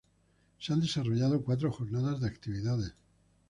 se han desarrollado cuatro jornadas de actividades